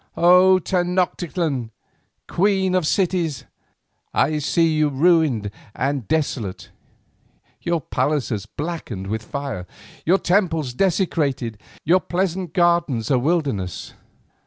O Tenoctitlan, queen of cities, I see you ruined and desolate, your palaces blackened with fire, your temples desecrated, your pleasant gardens a wilderness.